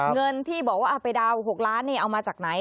เงินที่บอกว่าไปเดา๖ล้านเอามาจากไหน